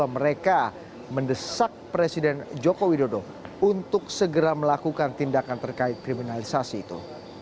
mereka mendesak presiden joko widodo untuk segera melakukan tindakan terkait kriminalisasi itu